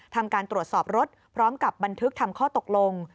ทำการตรวจสอบรถพร้อมกับบันทึกทำข้อตกลง